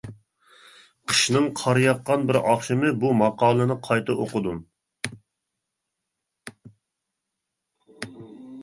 قىشنىڭ قار ياغقان بىر ئاخشىمى بۇ ماقالىنى قايتا ئوقۇدۇم.